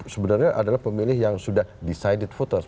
sebenarnya adalah pemilih yang sudah decided voters